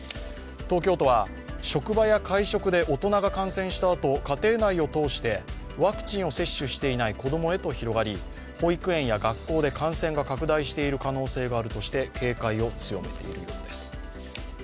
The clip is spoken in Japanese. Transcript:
東京都は、職場や会食で大人が感染したあと、家庭内を通して、ワクチンを接種していない子供へと広がり保育園や学校で感染が拡大している可能性があるとして警戒を強めているようです。